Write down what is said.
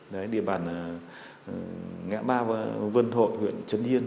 đấy địa bàn ngã ba vân hội huyện trấn yên